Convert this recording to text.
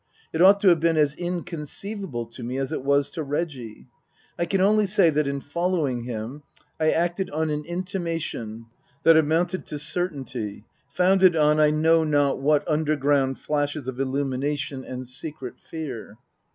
It ought to have been as inconceivable to me as it was to Reggie. I can only say that in follow ing him I acted on an intimation that amounted to cer tainty, founded on I know not what underground flashes of illumination and secret fear.